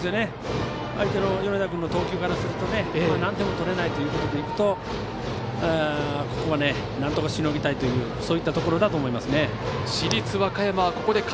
相手の米田君の投球からすると何点も取れないということでいくと、ここはなんとかしのぎたいというところだと思いますね。